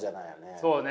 そうね。